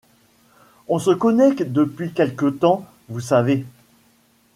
On se connaît depuis quelque temps, vous savez.